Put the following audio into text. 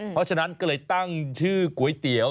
เพราะฉะนั้นก็เลยตั้งชื่อก๋วยเตี๋ยว